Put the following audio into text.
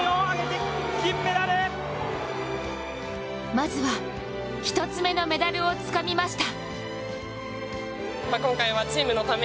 まずは１つ目のメダルをつかみました。